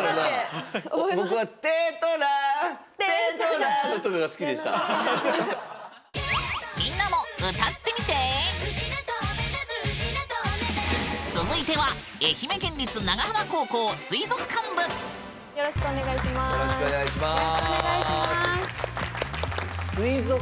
僕はよろしくお願いします。